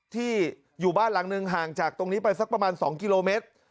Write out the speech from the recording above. ที่อยู่บ้านหลังหนึ่งห่างจากตรงนี้ไปสักประมาณ๒กิโลเมตร